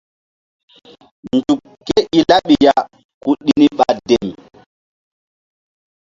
Nzuk ke i laɓi ya ku ɗi ni ɓa dem.